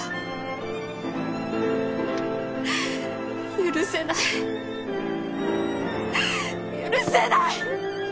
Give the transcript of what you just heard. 許せない許せない！